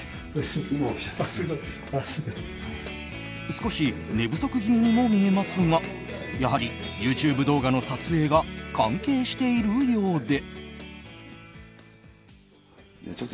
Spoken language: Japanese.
少し寝不足気味にも見えますがやはりＹｏｕＴｕｂｅ動画の撮影が関係しているようで。